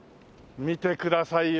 見てくださいよ